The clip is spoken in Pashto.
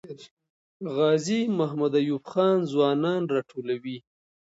غازي محمد ایوب خان ځوانان راټولوي.